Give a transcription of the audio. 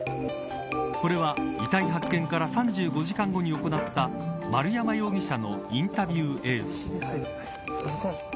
これは遺体発見から３５時間後に行った丸山容疑者のインタビュー映像。